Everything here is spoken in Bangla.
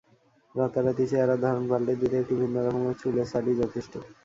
রাতারাতি চেহারার ধরন পাল্টে দিতে একটি ভিন্ন রকম চুলের ছাঁটই যথেষ্ট।